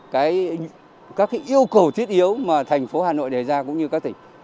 các yêu cầu thiết yếu mà thành phố hà nội đề ra cũng như các tỉnh